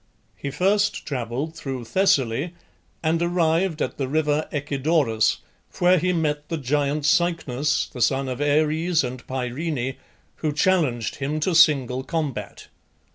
He first travelled through Thessaly and arrived at the river Echedorus, where he met the giant Cycnus, the son of Ares and Pyrene, who challenged him to single combat.